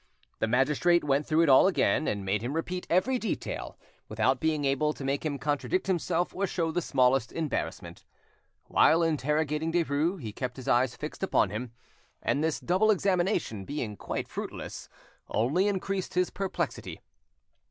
The magistrate went through it all again, and made him repeat every detail, without being able to make him contradict himself or show the smallest embarrassment. While interrogating Derues, he kept his eyes fixed upon him; and this double examination being quite fruitless, only increased his perplexity.